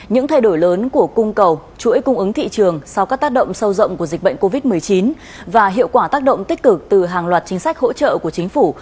những thay đổi lớn của cung cầu chuỗi cung ứng thị trường sau các tác động sâu rộng của dịch bệnh covid một mươi chín và hiệu quả tác động tích cực từ hàng loạt chính sách hỗ trợ của chính phủ